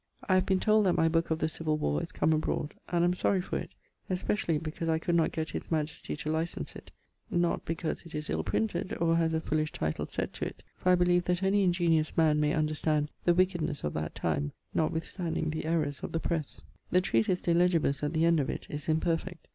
I have been told that my booke of the Civill Warr is come abroad, and am sorry for it, especially because I could not get his majestye to license it, not because it is ill printed or has a foolish title set to it, for I believe that any ingenious man may understand the wickednesse of that time, notwithstanding the errors of the presse. The treatise De Legibus, at the end of it, is imperfect.